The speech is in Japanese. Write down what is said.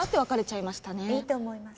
いいと思います。